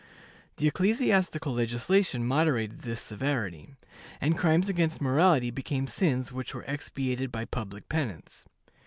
The ecclesiastical legislation moderated this severity, and crimes against morality became sins which were expiated by public penance.